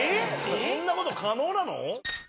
そんなこと可能なの？